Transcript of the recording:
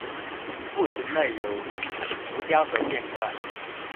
墓群内有浮雕和线刻。